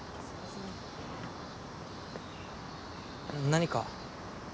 何か？